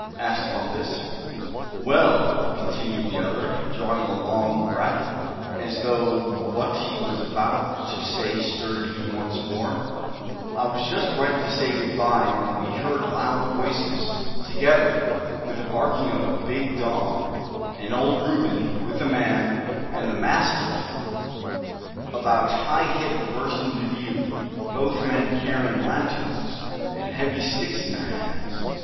asked Bumpus. "Well," continued the other, drawing a long breath as though what he was about to say stirred him once more; "I was just ready to say good bye, when we heard loud voices, together with the barking of a big dog, and Old Reuben, with a man, and a mastiff about hip high burst into view, both men carrying lanterns, and heavy sticks in their hands.